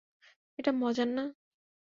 এটা মজার না।